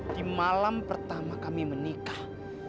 di malam pertama kami menikah